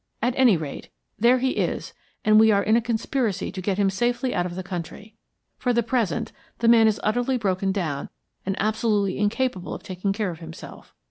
At any rate, there he is, and we are in a conspiracy to get him safely out of the country. For the present the man is utterly broken down and absolutely incapable of taking care of himself.